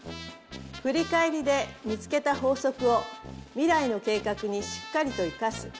振り返りで見つけた法則を未来の計画にしっかりと生かす。